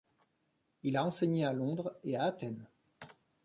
Il a enseigné à Londres et à Athènes.